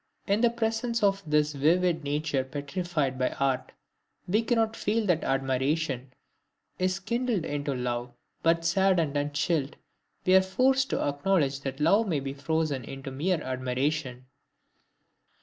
In the presence of this vivid nature petrified by art, we cannot feel that admiration is kindled into love, but, saddened and chilled, we are forced to acknowledge that love may be frozen into mere admiration.